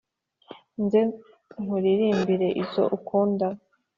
nze nkuririmbira izo ukunda